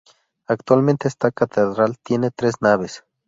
Actualmente esta catedral tiene tres naves.